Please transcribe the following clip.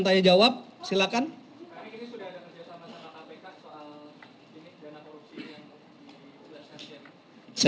pak rik ini sudah ada kerjasama sama kpk soal ini dana korupsi yang sudah disaksikan